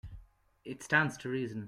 It stands to reason.